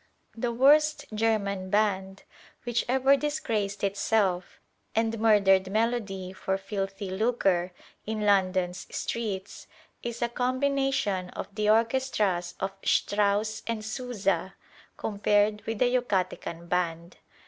The worst German band which ever disgraced itself and murdered melody for filthy lucre in London's streets is a combination of the orchestras of Strauss and Sousa compared with a Yucatecan band.